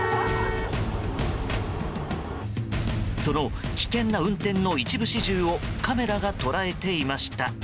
その危険な運転の一部始終をカメラが捉えていました。